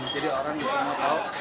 jadi orang bisa mau tahu